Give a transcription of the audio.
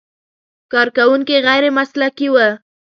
کارکوونکي غیر مسلکي و.